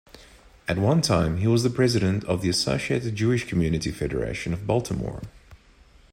At one time he was president of the Associated Jewish Community Federation of Baltimore.